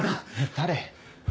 誰？